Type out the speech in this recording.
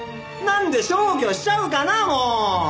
なんで消去しちゃうかなもう！